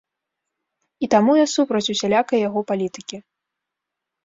І таму я супраць усялякай яго палітыкі!